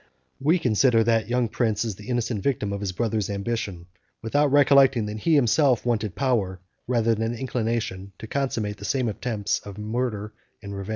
We consider that young prince as the innocent victim of his brother's ambition, without recollecting that he himself wanted power, rather than inclination, to consummate the same attempts of revenge and murder.